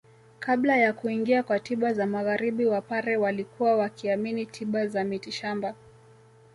Kabla ya kuingia kwa tiba za magharibi wapare walikuwa wakiamini tiba za mitishamba